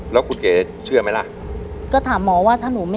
แล้วคุณเก๋เชื่อไหมล่ะ